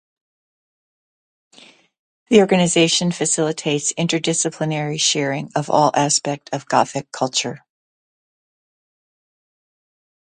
The organisation facilitates interdisciplinary sharing of all aspect of Gothic culture.